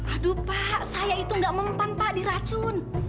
aduh pak saya itu nggak mempan pak diracun